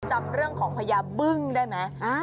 จำเรื่องของพญาบึ้งได้ไหม